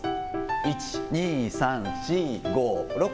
１、２、３、４、５、６。